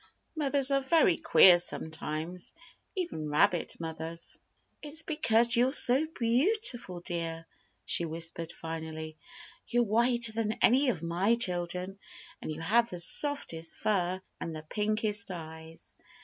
Mothers are very queer sometimes, even rabbit mothers. "It's because you're so beautiful, dear!" she whispered finally. "You're whiter than any of my children, and you have the softest fur, and the pinkest eyes.